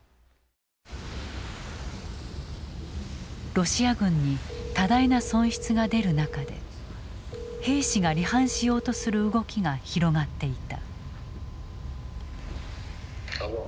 ロシア軍に多大な損失が出る中で兵士が離反しようとする動きが広がっていた。